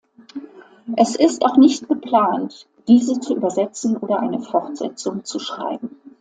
Es ist auch nicht geplant, diese zu übersetzen oder eine Fortsetzung zu schreiben.